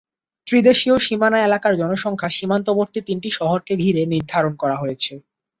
ত্রিদেশীয় সীমানা এলাকার জনসংখ্যা সীমান্তবর্তী তিনটি শহরকে ঘিরে নির্ধারণ করা হয়েছে।